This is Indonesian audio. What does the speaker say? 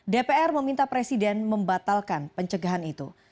dpr meminta presiden membatalkan pencegahan itu